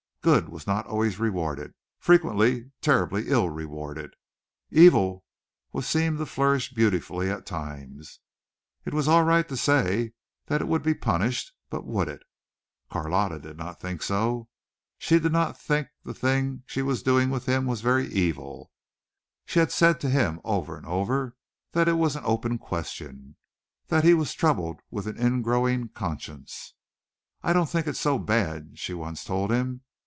Good was not always rewarded frequently terribly ill rewarded. Evil was seen to flourish beautifully at times. It was all right to say that it would be punished, but would it? Carlotta did not think so. She did not think the thing she was doing with him was very evil. She had said to him over and over that it was an open question, that he was troubled with an ingrowing conscience. "I don't think it's so bad," she once told him.